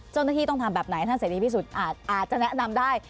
เจ้าหน้าที่ต้องทำแบบไหนท่านเสรีพิสุทธิ์อาจจะแนะนำได้